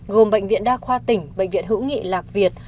gồm bệnh viện đa khoa tỉnh bệnh viện hữu nghị lạc việt